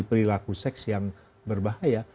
perilaku seks yang berbahaya